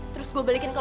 terus gue balikin ke lo